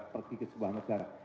pergi ke sebuah negara